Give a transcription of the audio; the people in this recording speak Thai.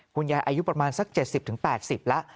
อายุประมาณสัก๗๐๘๐แล้ว